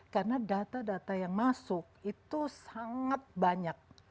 karena data data yang masuk itu sangat banyak